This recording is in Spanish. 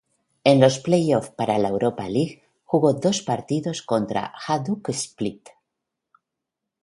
En los playoffs para la Europa League, jugó los dos partidos contra Hajduk Split.